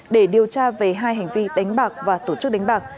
để điều tra về hai hành vi đánh bạc và tổ chức đánh bạc